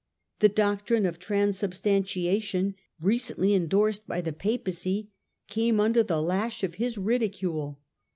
The doctrine of Transubstantiation, recently endorsed by the Papacy, came under the lash of his ridicule.